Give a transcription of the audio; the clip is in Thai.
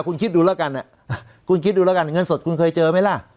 คุณคิดดูแล้วกันคุณคิดดูแล้วกันเงินสดคุณเคยเจอไหมล่ะ